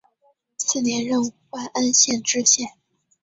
次年任万安县知县。